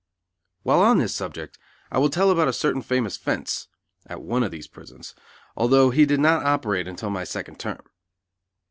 While on this subject, I will tell about a certain famous "fence" (at one of these prisons) although he did not operate until my second term.